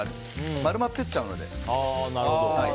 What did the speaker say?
丸まってっちゃうので。